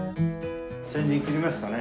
先陣切りますかね。